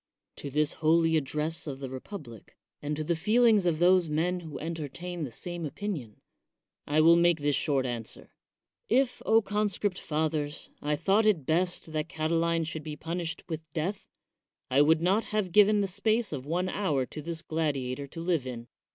To this holy address of the republic, and to the feelings of those men who entertain the same opinion, I will make this short answer: If, conscript fathers, I thought it best that Catiline should be punished with death, I would not have given the space of one hour to this gladiator to live in.